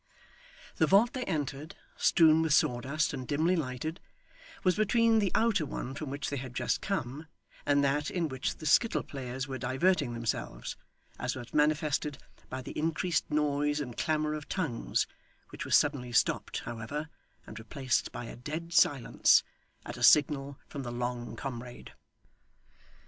The vault they entered, strewn with sawdust and dimly lighted, was between the outer one from which they had just come, and that in which the skittle players were diverting themselves; as was manifested by the increased noise and clamour of tongues, which was suddenly stopped, however, and replaced by a dead silence, at a signal from the long comrade.